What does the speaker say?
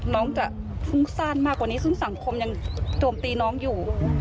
น้องจะฟุ้งซ่านมากกว่านี้ซึ่งสังคมยังโจมตีน้องอยู่